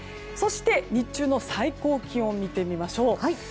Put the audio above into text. そして、日中の最高気温を見てみましょう。